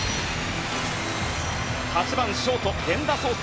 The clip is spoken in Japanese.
８番ショート、源田壮亮。